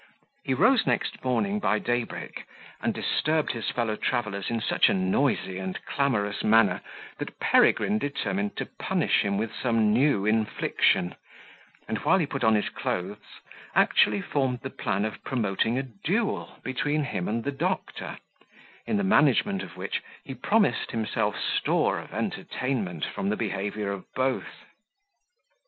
He rose next morning by day break, and disturbed his fellow travellers in such a noisy and clamorous manner, that Peregrine determined to punish him with some new infliction, and, while he put on his clothes, actually formed the plan of promoting a duel between him and the doctor, in the management of which, he promised himself store of entertainment, from the behaviour of both.